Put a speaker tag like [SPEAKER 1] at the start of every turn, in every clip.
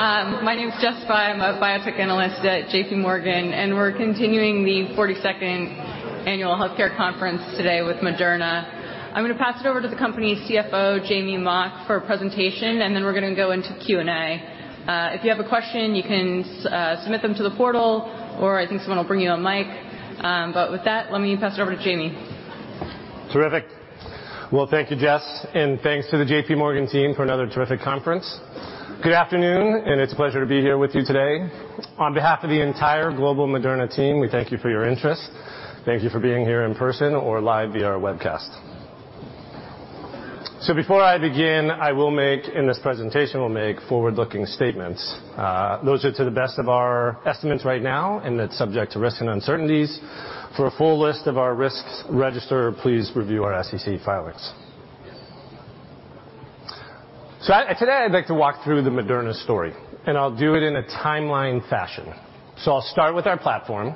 [SPEAKER 1] My name is Jessica. I'm a Biotech Analyst at at J.P. Morgan, and we're continuing the 42nd Annual Healthcare Conference Today with Moderna. I'm going to pass it over to the company's CFO, Jamey Mock, for a presentation, and then we're going to go into Q&A. If you have a question, you can submit them to the portal, or I think someone will bring you a mic. But with that, let me pass it over to Jamey.
[SPEAKER 2] Terrific. Well, thank you, Jess, and thanks to the J.P. Morgan team for another terrific conference. Good afternoon, and it's a pleasure to be here with you today. On behalf of the entire global Moderna team, we thank you for your interest. Thank you for being here in person or live via our webcast. So before I begin, I will make... in this presentation, I'll make forward-looking statements. Those are to the best of our estimates right now, and it's subject to risks and uncertainties. For a full list of our risks, register, please review our SEC filings. So today, I'd like to walk through the Moderna story, and I'll do it in a timeline fashion. So I'll start with our platform.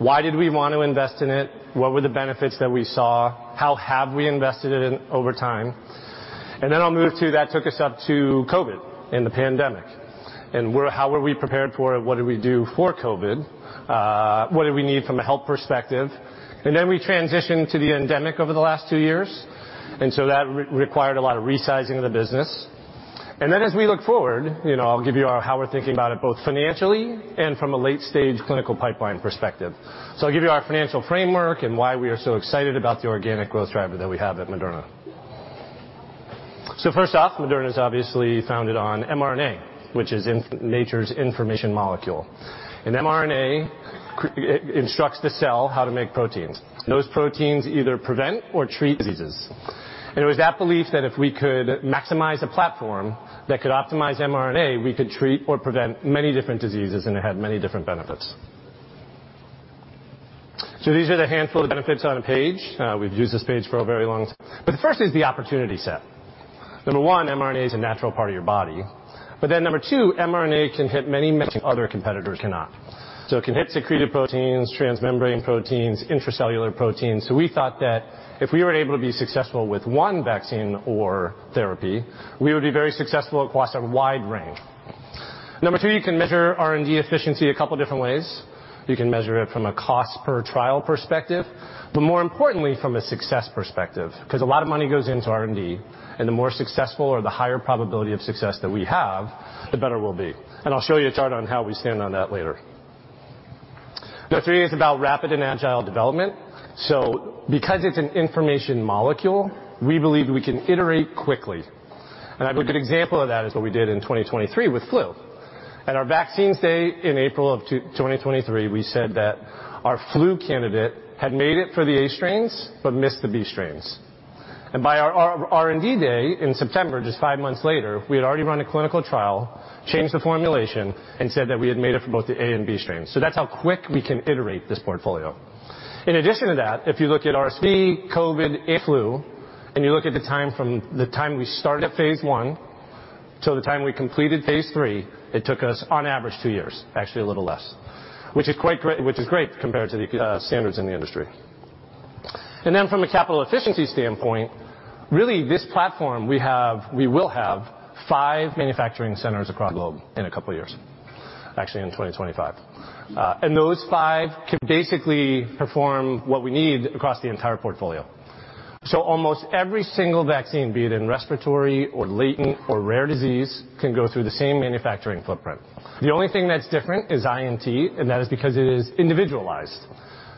[SPEAKER 2] Why did we want to invest in it? What were the benefits that we saw? How have we invested in it over time? And then I'll move to that took us up to COVID and the pandemic, and where- how were we prepared for it? What did we do for COVID? What did we need from a health perspective? And then we transitioned to the endemic over the last two years, and so that required a lot of resizing of the business. And then as we look forward, you know, I'll give you our, how we're thinking about it, both financially and from a late-stage clinical pipeline perspective. So I'll give you our financial framework and why we are so excited about the organic growth driver that we have at Moderna. So first off, Moderna is obviously founded on mRNA, which is nature's information molecule. And mRNA instructs the cell how to make proteins. Those proteins either prevent or treat diseases. It was that belief that if we could maximize a platform that could optimize mRNA, we could treat or prevent many different diseases, and it had many different benefits. So these are the handful of benefits on a page. We've used this page for a very long time, but the first is the opportunity set. Number 1, mRNA is a natural part of your body, but then number two, mRNA can hit many, many other competitors cannot. So it can hit secreted proteins, transmembrane proteins, intracellular proteins. So we thought that if we were able to be successful with one vaccine or therapy, we would be very successful across a wide range. Number two, you can measure R&D efficiency a couple of different ways. You can measure it from a cost-per-trial perspective, but more importantly, from a success perspective, because a lot of money goes into R&D, and the more successful or the higher probability of success that we have, the better we'll be. And I'll show you a chart on how we stand on that later. Number three is about rapid and agile development. So because it's an information molecule, we believe we can iterate quickly. And a good example of that is what we did in 2023 with flu. At our vaccines day in April of 2023, we said that our flu candidate had made it for the A strains but missed the B strains. And by our R&D day in September, just five, months later, we had already run a clinical trial, changed the formulation and said that we had made it for both the A and B strains. So that's how quick we can iterate this portfolio. In addition to that, if you look at RSV, COVID, and flu, and you look at the time from the time we started at phase I to the time we completed phase III, it took us, on average, two years, actually a little less, which is quite great, which is great compared to the standards in the industry. And then from a capital efficiency standpoint, really, this platform, we have... we will have five manufacturing centers across the globe in a couple of years, actually, in 2025. And those five can basically perform what we need across the entire portfolio. So almost every single vaccine, be it in respiratory,, latent or rare disease, can go through the same manufacturing footprint. The only thing that's different is INT, and that is because it is individualized.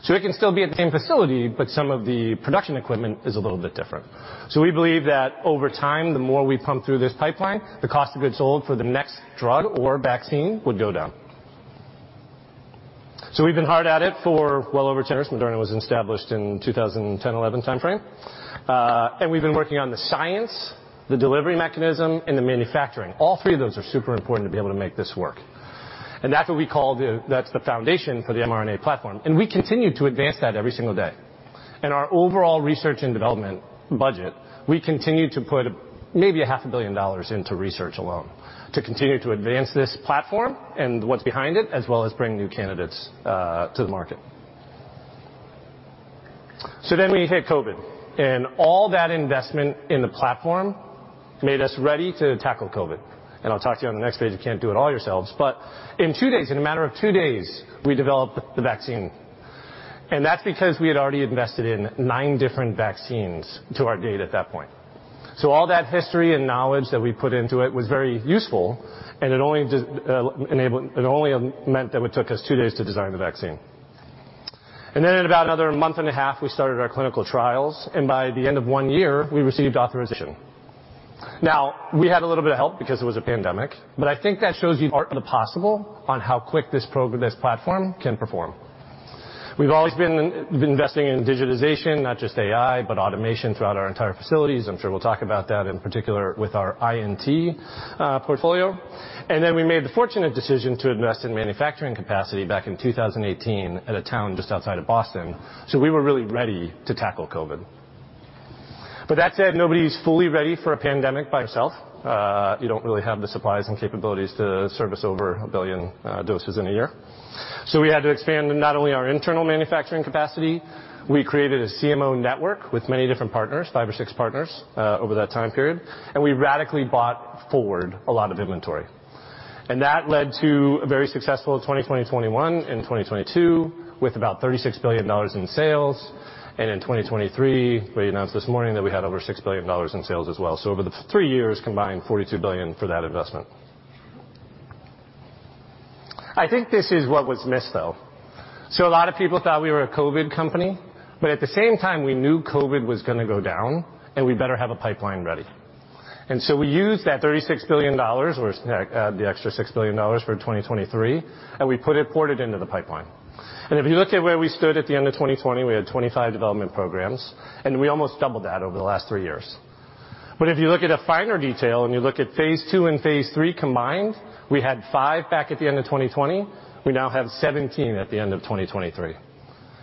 [SPEAKER 2] So it can still be at the same facility, but some of the production equipment is a little bit different. So we believe that over time, the more we pump through this pipeline, the cost of goods sold for the next drug or vaccine would go down. So we've been hard at it for well over 10 years. Moderna was established in 2010-11 timeframe. And we've been working on the science, the delivery mechanism, and the manufacturing. All three of those are super important to be able to make this work. And that's what we call the... That's the foundation for the mRNA platform, and we continue to advance that every single day. In our overall research and development budget, we continue to put maybe $500 million into research alone to continue to advance this platform and what's behind it, as well as bring new candidates to the market. So then we hit COVID, and all that investment in the platform made us ready to tackle COVID. And I'll talk to you on the next page. You can't do it all yourselves, but in two days, in a matter of two days, we developed the vaccine. And that's because we had already invested in nine different vaccines to date at that point. So all that history and knowledge that we put into it was very useful, and it only just meant that it took us two days to design the vaccine. And then, about another month and a half, we started our clinical trials, and by the end of one year, we received authorization. Now, we had a little bit of help because it was a pandemic, but I think that shows you the art of the possible on how quick this platform can perform. We've always been investing in digitization, not just AI, but automation throughout our entire facilities. I'm sure we'll talk about that, in particular, with our INT portfolio. And then we made the fortunate decision to invest in manufacturing capacity back in 2018 at a town just outside of Boston. So we were really ready to tackle COVID. But that said, nobody's fully ready for a pandemic by yourself. You don't really have the supplies and capabilities to service over a billion doses in a year. So we had to expand not only our internal manufacturing capacity, we created a CMO network with many different partners, five or six partners over that time period, and we radically bought forward a lot of inventory.... And that led to a very successful 2021 and 2022, with about $36 billion in sales. And in 2023, we announced this morning that we had over $6 billion in sales as well. So over the three years, combined $42 billion for that investment. I think this is what was missed, though. So a lot of people thought we were a COVID company, but at the same time, we knew COVID was going to go down, and we better have a pipeline ready. And so we used that $36 billion, or the extra $6 billion for 2023, and we poured it into the pipeline. And if you look at where we stood at the end of 2020, we had 25 development programs, and we almost doubled that over the last three years. But if you look at a finer detail and you look at phase II and phase III combined, we had five back at the end of 2020. We now have 17 at the end of 2023,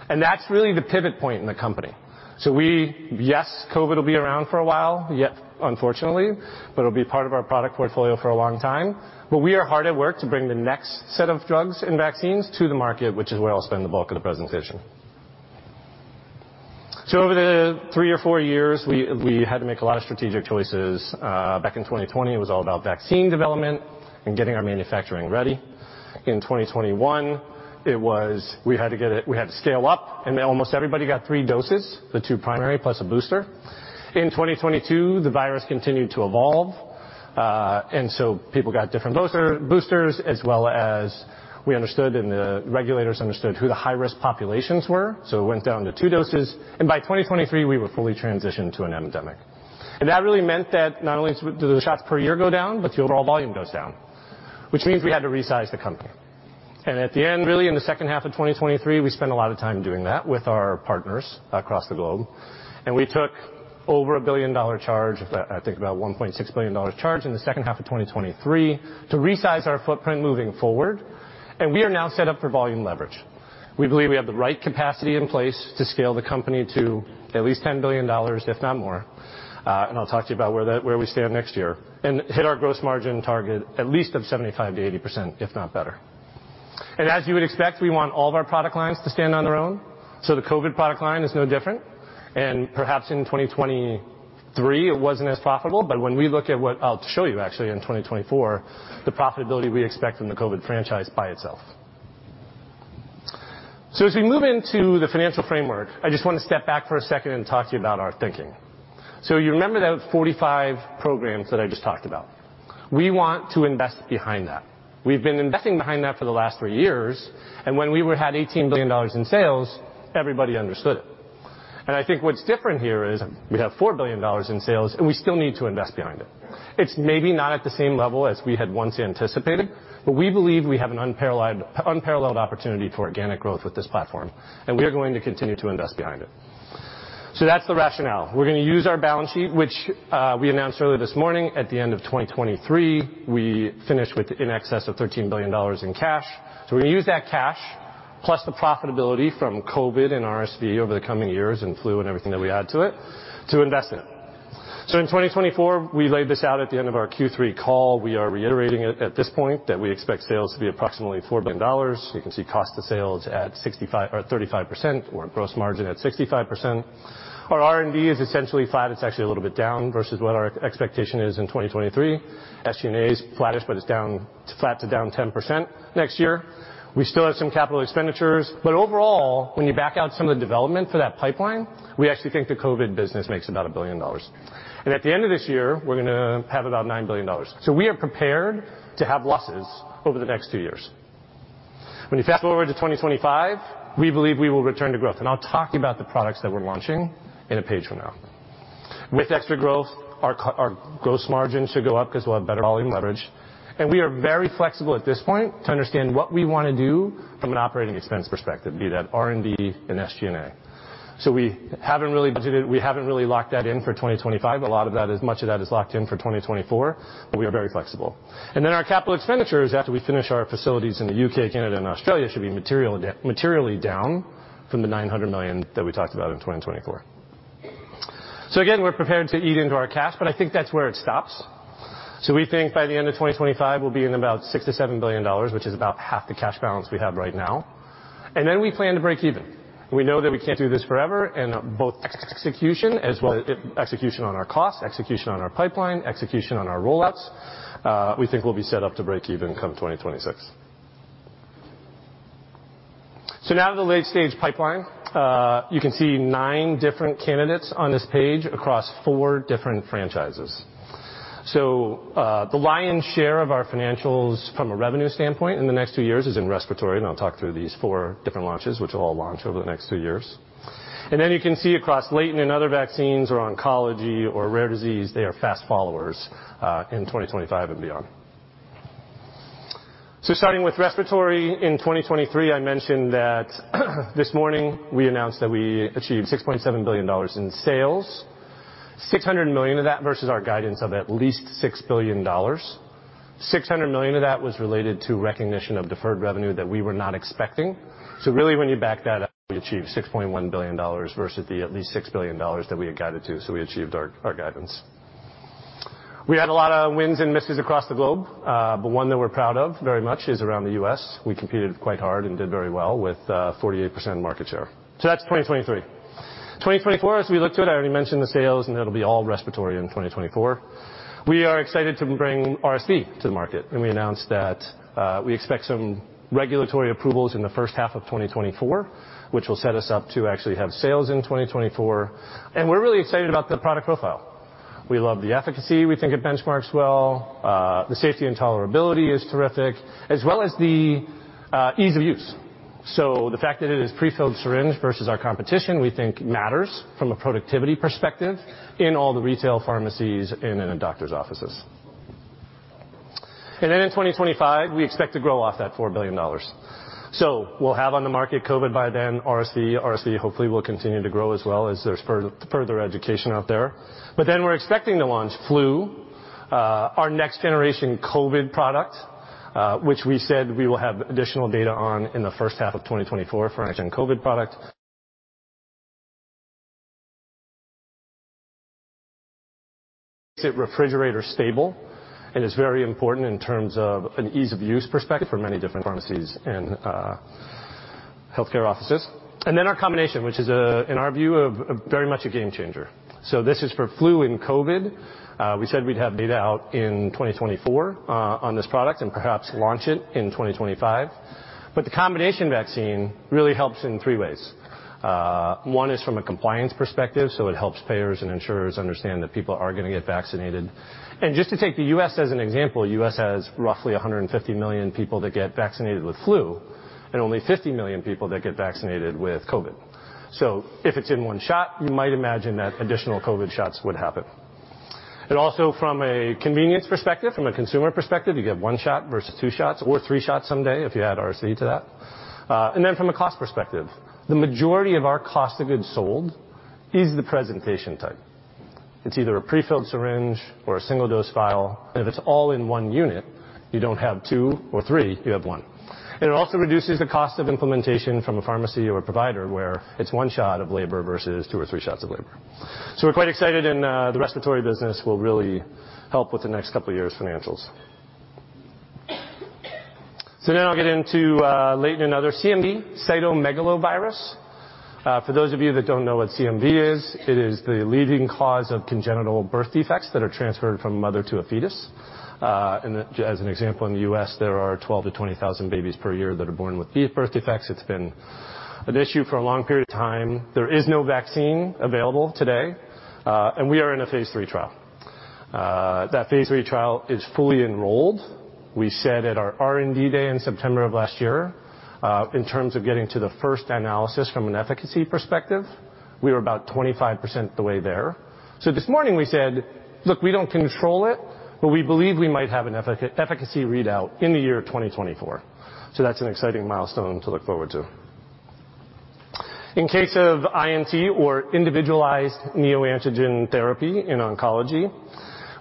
[SPEAKER 2] and that's really the pivot point in the company. So we... Yes, COVID will be around for a while, unfortunately, but it'll be part of our product portfolio for a long time. But we are hard at work to bring the next set of drugs and vaccines to the market, which is where I'll spend the bulk of the presentation. So over the three or four years, we had to make a lot of strategic choices. Back in 2020, it was all about vaccine development and getting our manufacturing ready. In 2021, we had to scale up, and then almost everybody got three doses, the two primary, plus a booster. In 2022, the virus continued to evolve, and so people got different boosters as well as we understood, and the regulators understood who the high-risk populations were. It went down to two doses, and by 2023, we were fully transitioned to an endemic. That really meant that not only do the shots per year go down, but the overall volume goes down, which means we had to resize the company. At the end, really, in the second half of 2023, we spent a lot of time doing that with our partners across the globe, and we took over a billion-dollar charge, I think about $1.6 billion charge in the second half of 2023 to resize our footprint moving forward, and we are now set up for volume leverage. We believe we have the right capacity in place to scale the company to at least $10 billion, if not more. And I'll talk to you about where we stand next year and hit our gross margin target at least of 75%-80%, if not better. And as you would expect, we want all of our product lines to stand on their own. So the COVID product line is no different. And perhaps in 2023, it wasn't as profitable, but when we look at what I'll show you actually in 2024, the profitability we expect from the COVID franchise by itself. So, as we move into the financial framework, I just want to step back for a second and talk to you about our thinking. So you remember that 45 programs that I just talked about. We want to invest behind that. We've been investing behind that for the last three years, and when we had $18 billion in sales, everybody understood it. And I think what's different here is we have $4 billion in sales, and we still need to invest behind it. It's maybe not at the same level as we had once anticipated, but we believe we have an unparalleled opportunity for organic growth with this platform, and we are going to continue to invest behind it. So that's the rationale. We're going to use our balance sheet, which we announced earlier this morning. At the end of 2023, we finished with in excess of $13 billion in cash. So we're going to use that cash, plus the profitability from COVID and RSV over the coming years, and flu and everything that we add to it, to invest in it. So in 2024, we laid this out at the end of our Q3 call. We are reiterating it at this point, that we expect sales to be approximately $4 billion. You can see cost of sales at 65 or 35%, or gross margin at 65%. Our R&D is essentially flat. It's actually a little bit down versus what our expectation is in 2023. SG&A is flattish, but it's down, flat to down 10% next year. We still have some capital expenditures, but overall, when you back out some of the development for that pipeline, we actually think the COVID business makes about $1 billion. And at the end of this year, we're going to have about $9 billion. So we are prepared to have losses over the next two years. When you fast-forward to 2025, we believe we will return to growth, and I'll talk to you about the products that we're launching in a page from now. With extra growth, our gross margin should go up because we'll have better volume leverage, and we are very flexible at this point to understand what we want to do from an operating expense perspective, be that R&D and SG&A. So we haven't really budgeted. We haven't really locked that in for 2025. A lot of that, as much of that is locked in for 2024, but we are very flexible. And then our capital expenditures, after we finish our facilities in the UK, Canada, and Australia, should be materially down from the $900 million that we talked about in 2024. So again, we're prepared to eat into our cash, but I think that's where it stops. So we think by the end of 2025, we'll be in about $6-7 billion, which is about half the cash balance we have right now. And then we plan to break even. We know that we can't do this forever, and both execution as well, execution on our cost, execution on our pipeline, execution on our rollouts, we think we'll be set up to break even come 2026. So now to the late-stage pipeline. You can see nine different candidates on this page across four different franchises. So, the lion's share of our financials from a revenue standpoint in the next two years is in respiratory, and I'll talk through these four different launches, which will all launch over the next two years. Then you can see across latent and other vaccines or oncology or rare disease, they are fast followers, in 2025 and beyond. So starting with respiratory, in 2023, I mentioned that this morning we announced that we achieved $6.7 billion in sales, $600 million of that versus our guidance of at least $6 billion. $600 million of that was related to recognition of deferred revenue that we were not expecting. So really, when you back that up, we achieved $6.1 billion versus the at least $6 billion that we had guided to. So we achieved our, our guidance. We had a lot of wins and misses across the globe, but one that we're proud of very much is around the US We competed quite hard and did very well with, 48% market share. So that's 2023. 2024, as we look to it, I already mentioned the sales, and it'll be all respiratory in 2024. We are excited to bring RSV to the market, and we announced that we expect some regulatory approvals in the first half of 2024, which will set us up to actually have sales in 2024. And we're really excited about the product profile. We love the efficacy. We think it benchmarks well. The safety and tolerability is terrific, as well as the ease of use. So the fact that it is prefilled syringe versus our competition, we think,a matters from a productivity perspective in all the retail pharmacies and in a doctor's offices. And then in 2025, we expect to grow off that $4 billion. So we'll have on the market by then, RSV. RSV, hopefully will continue to grow as well as there's further education out there. But then we're expecting to launch flu, our next generation COVID product, which we said we will have additional data on in the first half of 2024 for our next gen COVID product. Makes it refrigerator stable and is very important in terms of an ease of use perspective for many different pharmacies and, healthcare offices. And then our combination, which is, in our view, a very much a game changer. So this is for flu and COVID. We said we'd have data out in 2024, on this product and perhaps launch it in 2025. But the combination vaccine really helps in three ways. One is from a compliance perspective, so it helps payers and insurers understand that people are going to get vaccinated. Just to take the US as an example, the US has roughly 150 million people that get vaccinated with flu and only 50 million people that get vaccinated with COVID. So if it's in one shot, you might imagine that additional COVID shots would happen. And also from a convenience perspective, from a consumer perspective, you get one shot versus two shots or three shots someday if you add RSV to that. And then from a cost perspective, the majority of our cost of goods sold is the presentation type. It's either a prefilled syringe or a single-dose vial, and if it's all in one unit, you don't have two or three, you have one. It also reduces the cost of implementation from a pharmacy or a provider, where it's one shot of labor versus two or three shots of labor. So we're quite excited, and the respiratory business will really help with the next couple of years' financials. So now I'll get into latent and other CMV, cytomegalovirus. For those of you that don't know what CMV is, it is the leading cause of congenital birth defects that are transferred from mother to a fetus. And as an example, in the US, there are 12,000-20,000 babies per year that are born with these birth defects. It's been an issue for a long period of time. There is no vaccine available today, and we are in a phase III trial. That phase III trial is fully enrolled. We said at our R&D day in September of last year, in terms of getting to the first analysis from an efficacy perspective, we were about 25% the way there. So this morning we said, "Look, we don't control it, but we believe we might have an efficacy readout in the year 2024." So that's an exciting milestone to look forward to. In the case of INT, or Individualized Neoantigen Therapy in oncology,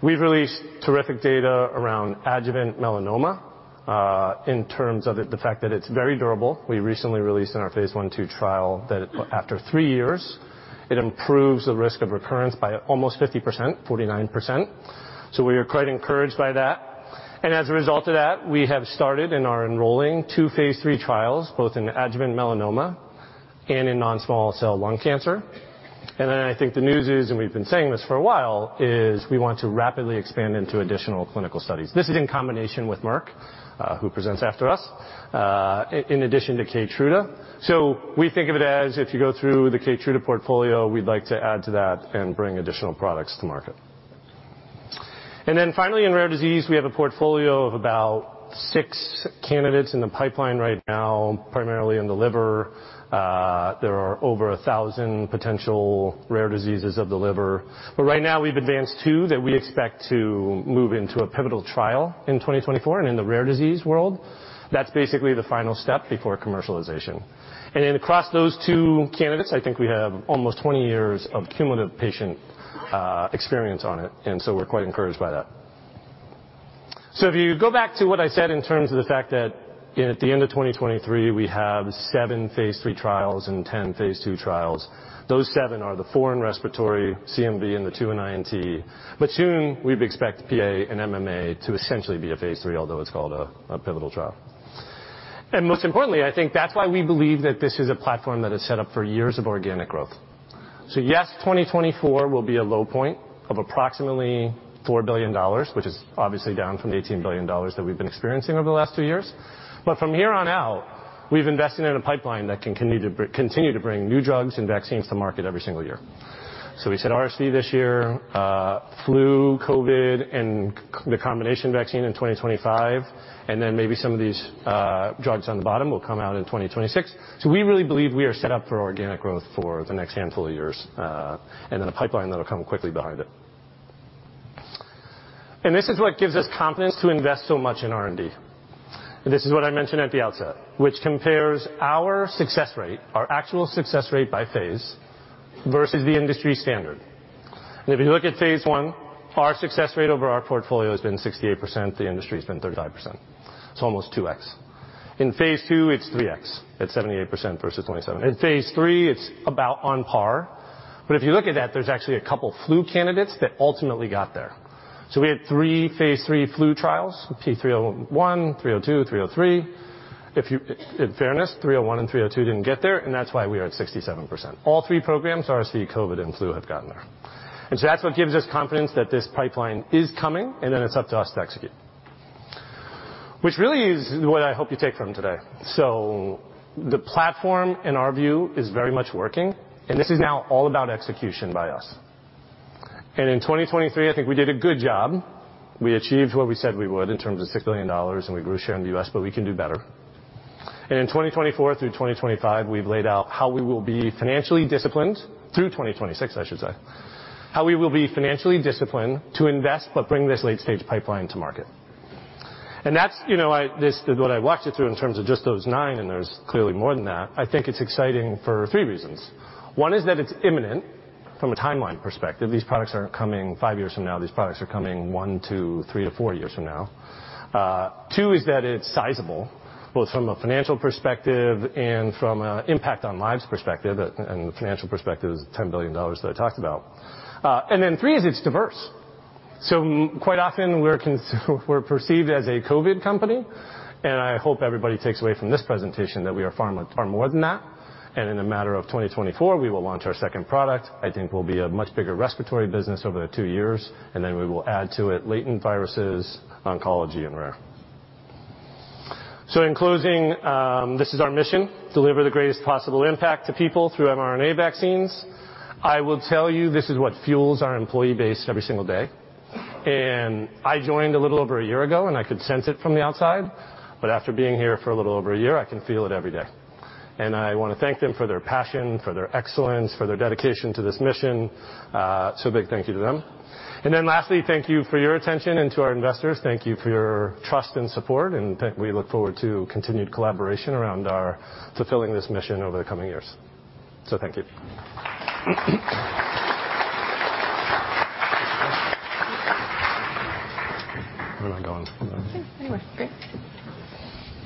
[SPEAKER 2] we've released terrific data around Adjuvant Melanoma, in terms of it, the fact that it's very durable. We recently released in our phase I,II trial that after threE years, it improves the risk of recurrence by almost 50%, 49%. So we are quite encouraged by that. And as a result of that, we have started and are enrolling II phase III trials, both in Adjuvant Melanoma and in Non-Small Cell Lung Cancer. And then I think the news is, and we've been saying this for a while, is we want to rapidly expand into additional clinical studies. This is in combination with Merck, who presents after us, in addition to Keytruda. So we think of it as if you go through the Keytruda portfolio, we'd like to add to that and bring additional products to market. And then finally, in rare disease, we have a portfolio of about six candidates in the pipeline right now, primarily in the liver. There are over 1,000 potential rare diseases of the liver. But right now we've advanced two that we expect to move into a pivotal trial in 2024. And in the rare disease world, that's basically the final step before commercialization. And then across those two candidates, I think we have almost 20 years of cumulative patient experience on it, and so we're quite encouraged by that. So if you go back to what I said in terms of the fact that at the end of 2023, we have seven phase III trials and 10 phase II trials. Those seven are the four in respiratory, CMV, and the two in INT. But soon, we'd expect PA and MMA to essentially be a phase III, although it's called a pivotal trial. And most importantly, I think that's why we believe that this is a platform that is set up for years of organic growth. So yes, 2024 will be a low point of approximately $4 billion, which is obviously down from the $18 billion that we've been experiencing over the last two years. But from here on out, we've invested in a pipeline that can continue to bring new drugs and vaccines to market every single year. So we said RSV this year, flu, COVID, and the combination vaccine in 2025, and then maybe some of these, drugs on the bottom will come out in 2026. So we really believe we are set up for organic growth for the next handful of years, and then a pipeline that'll come quickly behind it. And this is what gives us confidence to invest so much in R&D. This is what I mentioned at the outset, which compares our success rate, our actual success rate by phase, versus the industry standard. And if you look at phase I, our success rate over our portfolio has been 68%, the industry's been 35%. It's almost 2x. In phase II, it's 3x. It's 78% versus 27%. In phase III, it's about on par, but if you look at that, there's actually a couple of flu candidates that ultimately got there. So we had three phase III flu trials, P301, 302, 303. If you, in fairness, 301 and 302 didn't get there, and that's why we are at 67%. All three programs, RSV, COVID, and flu, have gotten there. And so that's what gives us confidence that this pipeline is coming, and then it's up to us to execute. Which really is what I hope you take from today. So the platform, in our view, is very much working, and this is now all about execution by us. And in 2023, I think we did a good job. We achieved what we said we would in terms of $6 billion, and we grew share in the US, but we can do better. In 2024 through 2025, we've laid out how we will be financially disciplined... Through 2026, I should say. How we will be financially disciplined to invest, but bring this late-stage pipeline to market. And that's, you know, this, what I walked you through in terms of just those nine, and there's clearly more than that, I think it's exciting for three reasons. One is that it's imminent from a timeline perspective. These products aren't coming five years from now. These products are coming one to three to four years from now. Two is that it's sizable, both from a financial perspective and from an impact on lives perspective, and, and the financial perspective is $10 billion that I talked about. And then three is it's diverse. So quite often we're perceived as a COVID company, and I hope everybody takes away from this presentation that we are far more, far more than that. And in a matter of 2024, we will launch our second product. I think we'll be a much bigger respiratory business over the two years, and then we will add to it latent viruses, oncology, and rare. So in closing, this is our mission: deliver the greatest possible impact to people through mRNA vaccines. I will tell you, this is what fuels our employee base every single day, and I joined a little over a year ago, and I could sense it from the outside, but after being here for a little over a year, I can feel it every day. And I want to thank them for their passion, for their excellence, for their dedication to this mission. So big thank you to them. And then lastly, thank you for your attention, and to our investors, thank you for your trust and support, and we look forward to continued collaboration around our fulfilling this mission over the coming years. So thank you. How am I doing?
[SPEAKER 1] Yeah, anyway, great.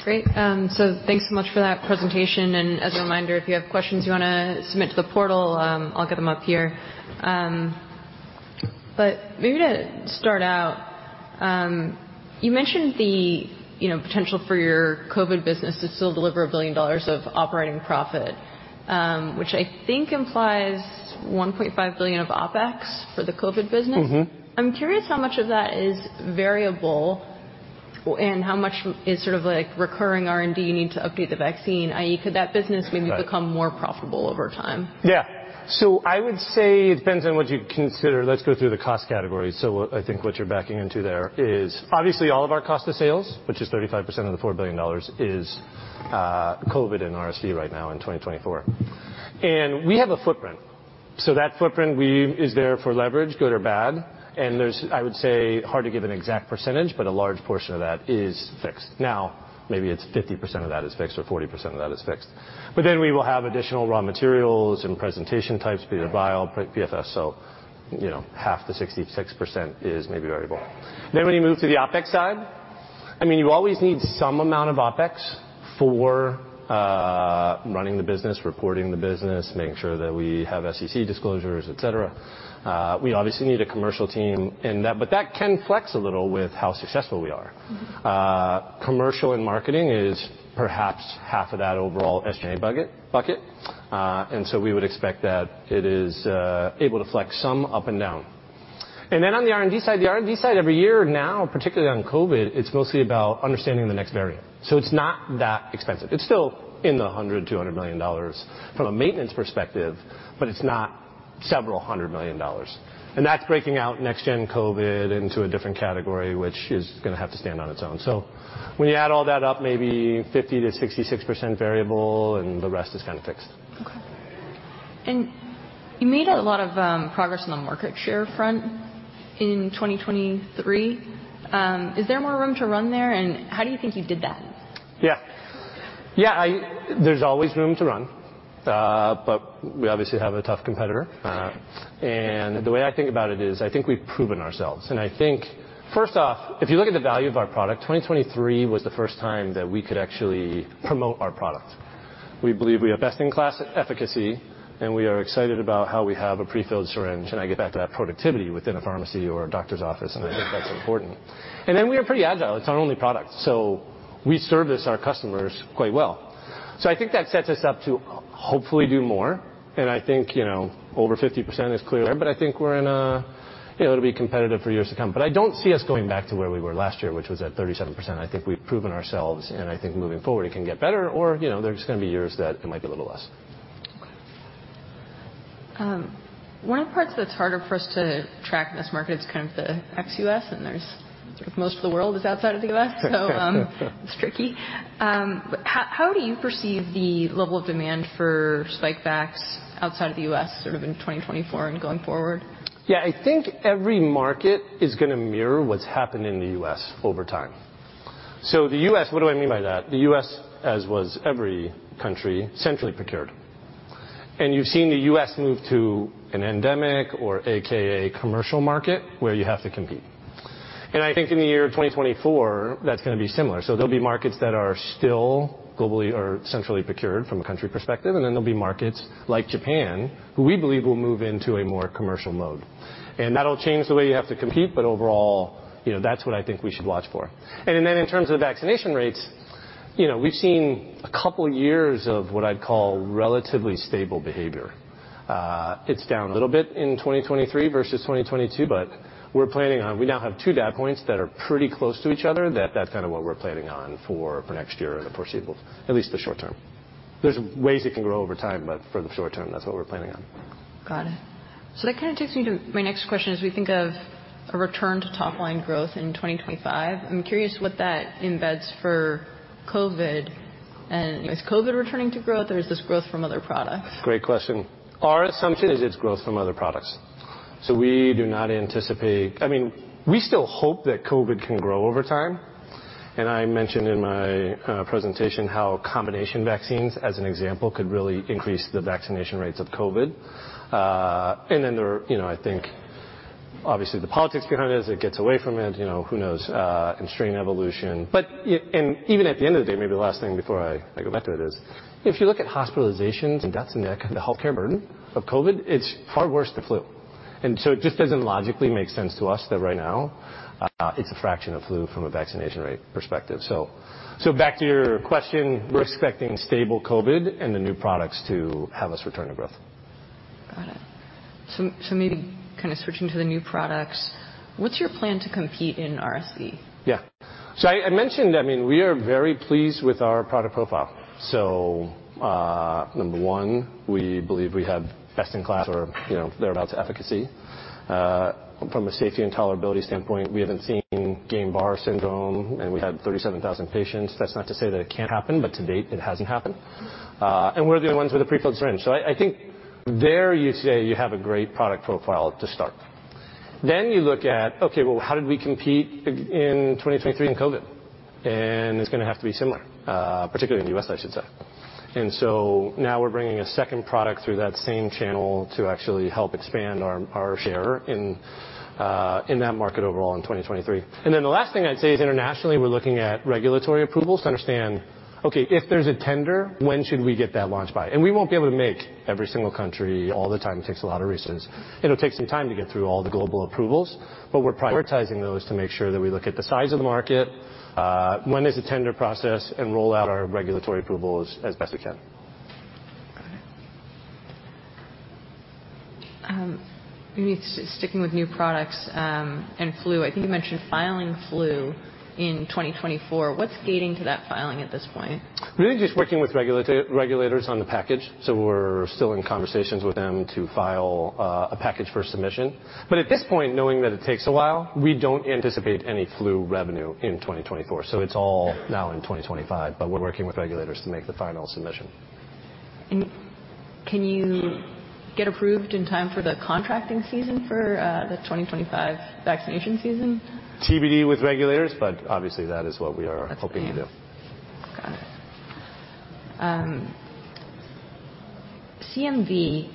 [SPEAKER 1] Great, so thanks so much for that presentation, and as a reminder, if you have questions you want to submit to the portal, I'll get them up here. But maybe to start out, you mentioned the, you know, potential for your COVID business to still deliver $1 billion of operating profit, which I think implies $1.5 billion of OpEx for the COVID business.
[SPEAKER 2] Mm-hmm.
[SPEAKER 1] I'm curious how much of that is variable and how much is sort of, like, recurring R&D you need to update the vaccine, i.e., could that business maybe become more profitable over time?
[SPEAKER 2] Yeah. So I would say it depends on what you consider. Let's go through the cost category. So what... I think what you're backing into there is obviously all of our cost of sales, which is 35% of the $4 billion, is COVID and RSV right now in 2024. And we have a footprint. So that footprint is there for leverage, good or bad, and there's, I would say, hard to give an exact percentage, but a large portion of that is fixed. Now, maybe it's 50% of that is fixed or 40% of that is fixed. But then we will have additional raw materials and presentation types, be it bio, PFS. So, you know, half the 66% is maybe variable. Then when you move to the OpEx side, I mean, you always need some amount of OpEx for running the business, reporting the business, making sure that we have SEC disclosures, et cetera. We obviously need a commercial team in that, but that can flex a little with how successful we are.
[SPEAKER 1] Mm-hmm.
[SPEAKER 2] Commercial and marketing is perhaps half of that overall SGA budget, bucket. And so we would expect that it is able to flex some up and down. And then on the R&D side, the R&D side, every year now, particularly on COVID, it's mostly about understanding the next variant. So it's not that expensive. It's still in the $100-$200 million from a maintenance perspective, but it's not several hundred million dollars. And that's breaking out next gen COVID into a different category, which is going to have to stand on its own. So when you add all that up, maybe 50%-66% variable, and the rest is kind of fixed.
[SPEAKER 1] Okay. You made a lot of progress on the market share front in 2023. Is there more room to run there, and how do you think you did that?
[SPEAKER 2] Yeah. There's always room to run, but we obviously have a tough competitor. And the way I think about it is, I think we've proven ourselves, and I think, first off, if you look at the value of our product, 2023 was the first time that we could actually promote our product. We believe we have best-in-class efficacy, and we are excited about how we have a prefilled syringe, and I get back to that productivity within a pharmacy or a doctor's office, and I think that's important. And then we are pretty agile. It's our only product, so we service our customers quite well. So I think that sets us up to hopefully do more, and I think, you know, over 50% is clear, but I think we're in a... You know, it'll be competitive for years to come. But I don't see us going back to where we were last year, which was at 37%. I think we've proven ourselves, and I think moving forward, it can get better or, you know, there's going to be years that it might be a little less.
[SPEAKER 1] Okay. One of the parts that's harder for us to track in this market is kind of the ex-US, and most of the world is outside of the US, so it's tricky. How do you perceive the level of demand for Spikevax outside of the US, sort of in 2024 and going forward?
[SPEAKER 2] Yeah, I think every market is going to mirror what's happened in the US over time. So the US—What do I mean by that? The US, as was every country, centrally procured. And you've seen the US move to an endemic or aka commercial market, where you have to compete. And I think in the year 2024, that's going to be similar. So there'll be markets that are still globally or centrally procured from a country perspective, and then there'll be markets like Japan, who we believe will move into a more commercial mode. And that'll change the way you have to compete, but overall, you know, that's what I think we should watch for. And then in terms of vaccination rates. You know, we've seen a couple years of what I'd call relatively stable behavior. It's down a little bit in 2023 versus 2022, but we're planning on. We now have two data points that are pretty close to each other, that that's kind of what we're planning on for, for next year and the foreseeable, at least the short term. There's ways it can grow over time, but for the short term, that's what we're planning on.
[SPEAKER 1] Got it. So that kind of takes me to my next question. As we think of a return to top-line growth in 2025, I'm curious what that embeds for COVID, and is COVID returning to growth, or is this growth from other products?
[SPEAKER 2] Great question. Our assumption is it's growth from other products. So we do not anticipate—I mean, we still hope that COVID can grow over time, and I mentioned in my presentation how combination vaccines, as an example, could really increase the vaccination rates of COVID. And then there are, you know, I think, obviously, the politics behind it, as it gets away from it, you know, who knows, and strain evolution. But and even at the end of the day, maybe the last thing before I go back to it is, if you look at hospitalizations and deaths and the healthcare burden of COVID, it's far worse than flu. And so it just doesn't logically make sense to us that right now, it's a fraction of flu from a vaccination rate perspective. So, back to your question, we're expecting stable COVID and the new products to have us return to growth.
[SPEAKER 1] Got it. So, so maybe kind of switching to the new products, what's your plan to compete in RSV?
[SPEAKER 2] Yeah. So I mentioned, I mean, we are very pleased with our product profile. So, number one, we believe we have best-in-class or, you know, thereabouts efficacy. From a safety and tolerability standpoint, we haven't seen disseminated virus syndrome, and we have 37,000 patients. That's not to say that it can't happen, but to date, it hasn't happened. And we're the only ones with a prefilled syringe. So I think there you'd say you have a great product profile to start. Then you look at, okay, well, how did we compete in 2023 in COVID? And it's gonna have to be similar, particularly in the US, I should say. And so now we're bringing a second product through that same channel to actually help expand our share in, in that market overall in 2023. And then the last thing I'd say is, internationally, we're looking at regulatory approvals to understand, okay, if there's a tender, when should we get that launched by? And we won't be able to make every single country all the time. It takes a lot of resources. It'll take some time to get through all the global approvals, but we're prioritizing those to make sure that we look at the size of the market, when there's a tender process, and roll out our regulatory approvals as best we can.
[SPEAKER 1] Got it. Maybe sticking with new products, and flu, I think you mentioned filing flu in 2024. What's gating to that filing at this point?
[SPEAKER 2] Really just working with regulators on the package, so we're still in conversations with them to file a package for submission. But at this point, knowing that it takes a while, we don't anticipate any flu revenue in 2024, so it's all now in 2025, but we're working with regulators to make the final submission.
[SPEAKER 1] Can you get approved in time for the contracting season for the 2025 vaccination season?
[SPEAKER 2] TBD with regulators, but obviously, that is what we are hoping to do.
[SPEAKER 1] Got it. CMV,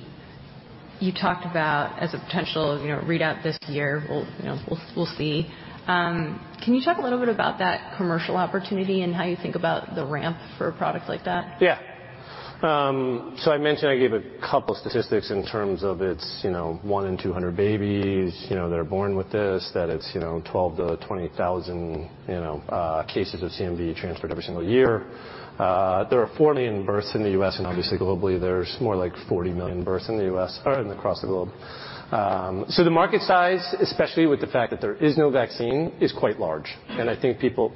[SPEAKER 1] you talked about as a potential, you know, readout this year. We'll, you know, see. Can you talk a little bit about that commercial opportunity and how you think about the ramp for a product like that?
[SPEAKER 2] Yeah. So I mentioned I gave a couple of statistics in terms of it's, you know, one in 200 babies, you know, that are born with this, that it's, you know, 12,000-20,000, you know, cases of CMV transferred every single year. There are 4 million births in the US, and obviously, globally, there's more like 40 million births in the US, or across the globe. So the market size, especially with the fact that there is no vaccine, is quite large. And I think people...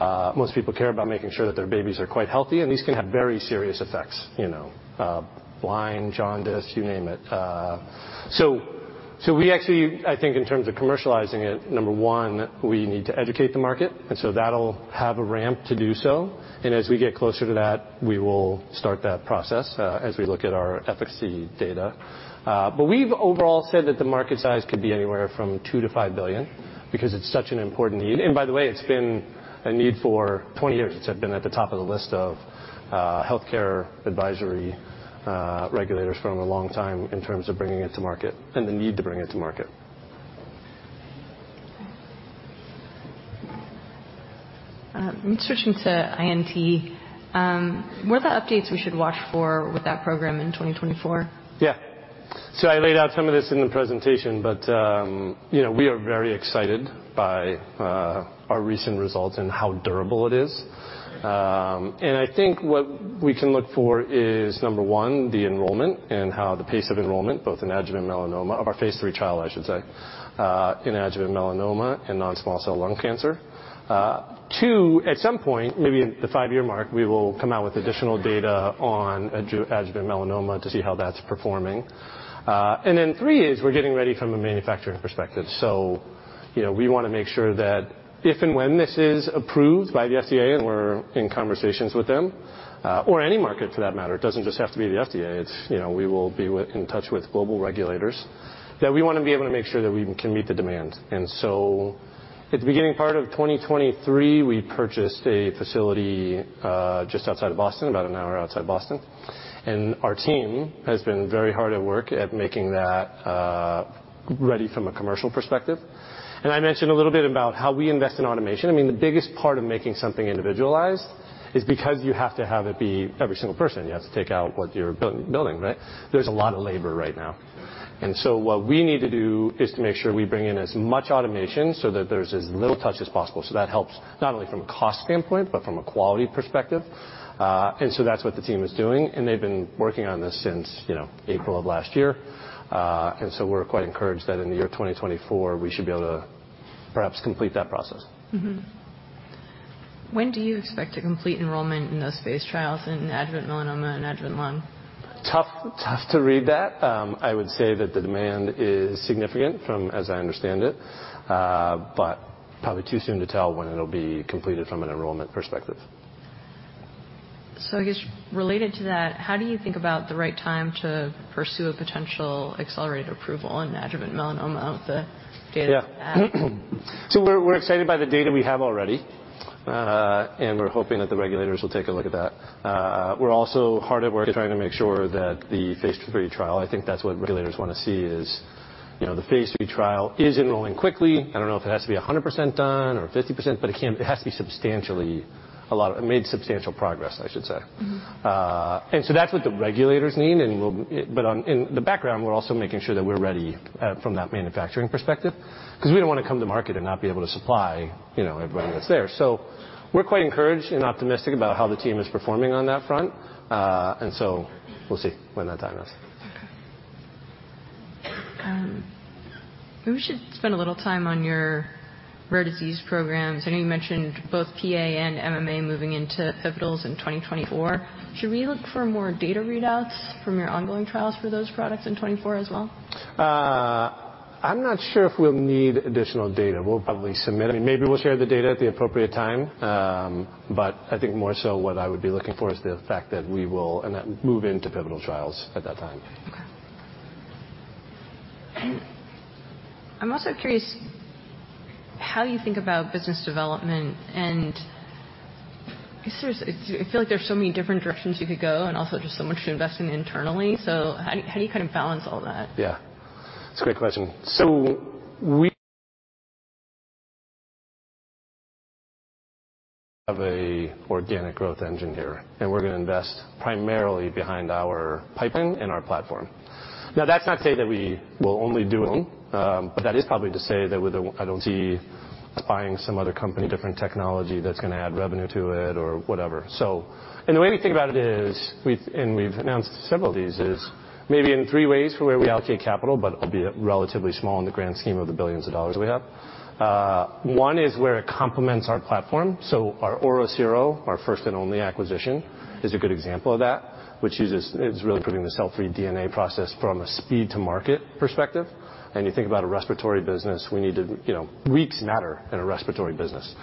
[SPEAKER 2] Well, most people care about making sure that their babies are quite healthy, and these can have very serious effects, you know, blind, jaundice, you name it. So, so we actually, I think in terms of commercializing it, number one, we need to educate the market, and so that'll have a ramp to do so. And as we get closer to that, we will start that process, as we look at our efficacy data. But we've overall said that the market size could be anywhere from $2 billion-$5 billion because it's such an important need. And by the way, it's been a need for 20 years. It's been at the top of the list of healthcare advisory regulators for a long time in terms of bringing it to market and the need to bring it to market.
[SPEAKER 1] Okay. Switching to INT, what are the updates we should watch for with that program in 2024?
[SPEAKER 2] Yeah. So I laid out some of this in the presentation, but, you know, we are very excited by, our recent results and how durable it is. And I think what we can look for is, 1, the enrollment and how the pace of enrollment, both in Adjuvant Melanoma of our phase 3 trial, I should say, in Adjuvant Melanoma and Non-Small Cell Lung Cancer. 2, at some point, maybe in the 5-year mark, we will come out with additional data on adjuvant melanoma to see how that's performing. And then 3 is we're getting ready from a manufacturing perspective. So, you know, we want to make sure that if and when this is approved by the FDA, and we're in conversations with them, or any market for that matter, it doesn't just have to be the FDA. It's, you know, we will be in touch with global regulators, that we want to be able to make sure that we can meet the demand. And so at the beginning part of 2023, we purchased a facility just outside of Boston, about an hour outside Boston, and our team has been very hard at work at making that ready from a commercial perspective. And I mentioned a little bit about how we invest in automation. I mean, the biggest part of making something individualized is because you have to have it be every single person. You have to take out what you're building, right? There's a lot of labor right now, and so what we need to do is to make sure we bring in as much automation so that there's as little touch as possible. So that helps not only from a cost standpoint, but from a quality perspective. And so that's what the team is doing, and they've been working on this since, you know, April of last year. And so we're quite encouraged that in the year 2024, we should be able to perhaps complete that process.
[SPEAKER 1] When do you expect to complete enrollment in those phase trials in adjuvant melanoma and adjuvant lung?
[SPEAKER 2] Tough, tough to read that. I would say that the demand is significant from, as I understand it, but probably too soon to tell when it'll be completed from an enrollment perspective.
[SPEAKER 1] I guess related to that, how do you think about the right time to pursue a potential accelerated approval in Adjuvant Melanoma with the data you have?
[SPEAKER 2] Yeah. So we're excited by the data we have already, and we're hoping that the regulators will take a look at that. We're also hard at work trying to make sure that the phase III trial, I think that's what regulators want to see is, you know, the phase III trial is enrolling quickly. I don't know if it has to be 100% done or 50%, but it has to be substantially a lot... made substantial progress, I should say.
[SPEAKER 1] Mm-hmm.
[SPEAKER 2] And so that's what the regulators need, and we'll, but on in the background, we're also making sure that we're ready, from that manufacturing perspective, 'cause we don't want to come to market and not be able to supply, you know, everyone that's there. So we're quite encouraged and optimistic about how the team is performing on that front. And so we'll see when that time is.
[SPEAKER 1] Okay. Maybe we should spend a little time on your rare disease programs. I know you mentioned both PA and MMA moving into pivotals in 2024. Should we look for more data readouts from your ongoing trials for those products in 2024 as well?
[SPEAKER 2] I'm not sure if we'll need additional data. We'll probably submit, and maybe we'll share the data at the appropriate time. But I think more so what I would be looking for is the fact that we will, and that move into pivotal trials at that time.
[SPEAKER 1] Okay. I'm also curious how you think about business development, and I guess there's... I feel like there's so many different directions you could go and also just so much to invest in internally. So how do you, how do you kind of balance all that?
[SPEAKER 2] Yeah, that's a great question. So we have an organic growth engine here, and we're gonna invest primarily behind our pipeline and our platform. Now, that's not to say that we will only do one, but that is probably to say that with the... I don't see buying some other company, different technology, that's gonna add revenue to it or whatever. So, and the way to think about it is, we've announced several of these, is maybe in three ways where we allocate capital, but it'll be relatively small in the grand scheme of the billions of dollars we have. One is where it complements our platform. So our OriCiro, our first and only acquisition, is a good example of that, which uses-- is really improving the cell-free DNA process from a speed to market perspective. You think about a respiratory business, we need to, you know, weeks matter in a respiratory business.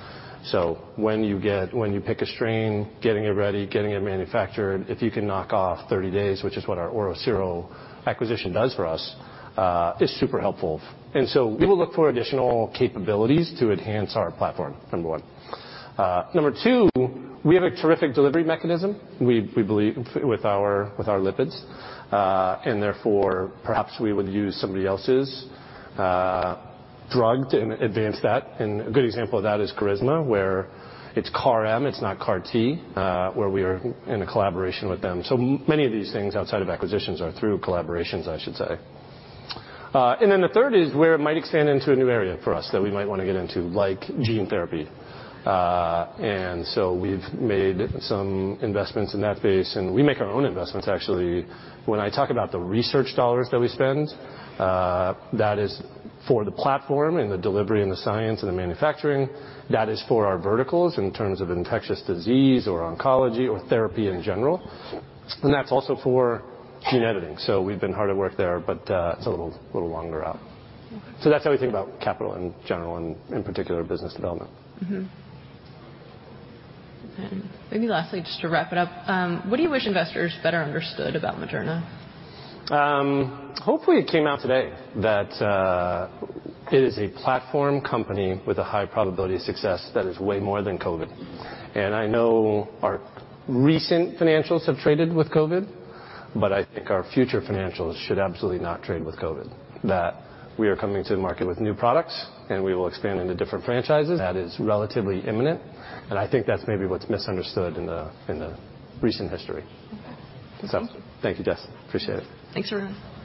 [SPEAKER 2] So when you pick a strain, getting it ready, getting it manufactured, if you can knock off 30 days, which is what our OriCiro acquisition does for us, is super helpful. And so we will look for additional capabilities to enhance our platform, number 1. Number 2, we have a terrific delivery mechanism, we believe, with our lipids. And therefore, perhaps we would use somebody else's drug to advance that. And a good example of that is Carisma, where it's CAR M, it's not CAR T, where we are in a collaboration with them. So many of these things outside of acquisitions are through collaborations, I should say. And then the third is where it might expand into a new area for us that we might want to get into, like gene therapy. And so we've made some investments in that base, and we make our own investments actually. When I talk about the research dollars that we spend, that is for the platform and the delivery and the science and the manufacturing. That is for our verticals in terms of infectious disease or oncology or therapy in general, and that's also for gene editing. So we've been hard at work there, but, it's a little, little longer out. So that's how we think about capital in general and in particular, business development.
[SPEAKER 1] Mm-hmm. And maybe lastly, just to wrap it up, what do you wish investors better understood about Moderna?
[SPEAKER 2] Hopefully, it came out today that it is a platform company with a high probability of success that is way more than COVID. And I know our recent financials have traded with COVID, but I think our future financials should absolutely not trade with COVID. That we are coming to the market with new products, and we will expand into different franchises. That is relatively imminent, and I think that's maybe what's misunderstood in the, in the recent history.
[SPEAKER 1] Okay.
[SPEAKER 2] Thank you, Jess. Appreciate it.
[SPEAKER 1] Thanks, everyone.